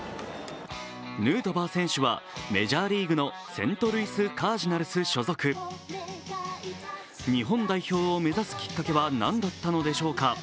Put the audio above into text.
ヌートバー選手はメジャーリーグのセントルイス・カージナルス所属日本代表を目指すきっかけは何だったのでしょうか。